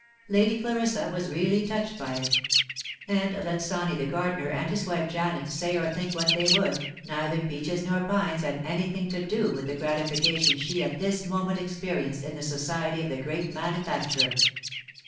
Lady Clarissa was really touched by it; and let Sawny the gar* dener, and his wife Janet, say or think what they would, neither peaches nor pines had any thing to do with the gratification she at this moment experienced in the society of the great manufacturer.